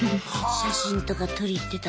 写真とか撮り行ってた？